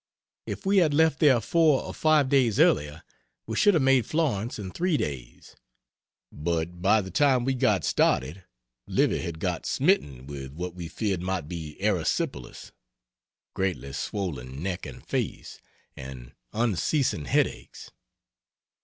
If we had left there four or five days earlier we should have made Florence in 3 days; but by the time we got started Livy had got smitten with what we feared might be erysipelas greatly swollen neck and face, and unceasing headaches.